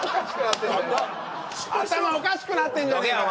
頭おかしくなってんじゃねえかよ